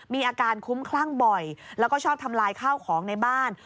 มีอาการคุ้มคลั่งบ่อยแล้วก็ชอบทำลายข้าวของในบ้าน